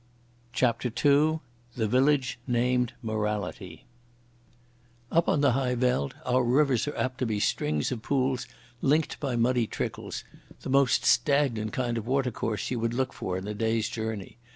CHAPTER II "The Village Named Morality" Up on the high veld our rivers are apt to be strings of pools linked by muddy trickles—the most stagnant kind of watercourse you would look for in a day's journey.